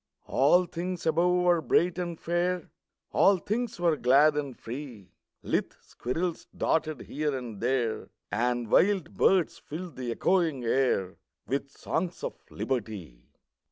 All things above were bright and fair, All things were glad and free; Lithe squirrels darted here and there, And wild birds filled the echoing air With songs of Liberty!